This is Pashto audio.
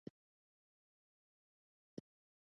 یوه لمبه په تناره کې تاوه شوه، تنور ګرم شو.